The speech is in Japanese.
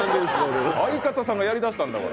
相方さんがやり出したんだから。